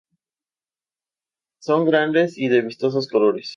Son grandes y de vistosos colores.